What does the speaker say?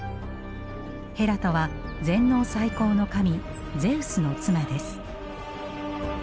ヘラとは全能最高の神ゼウスの妻です。